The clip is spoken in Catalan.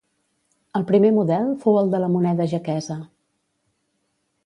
El primer model fou el de la moneda jaquesa.